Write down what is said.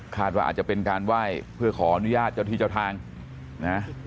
ว่าอาจจะเป็นการไหว้เพื่อขออนุญาตเจ้าที่เจ้าทางนะ